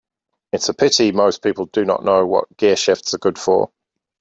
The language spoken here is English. It's a pity most people do not know what gearshifts are good for.